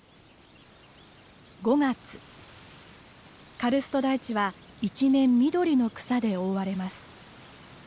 カルスト台地は一面緑の草で覆われます。